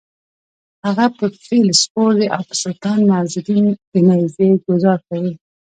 هغه په فیل سپور دی او په سلطان معزالدین د نېزې ګوزار کوي: